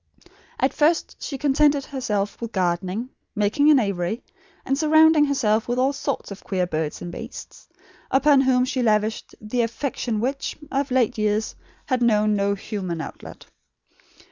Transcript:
At first she contented herself with gardening, making an aviary, and surrounding herself with all sorts of queer birds and beasts; upon whom she lavished the affection which, of late years, had known no human outlet.